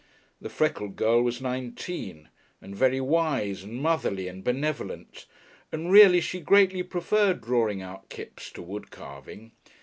The freckled girl was nineteen, and very wise and motherly and benevolent, and really she greatly preferred drawing out Kipps to wood carving.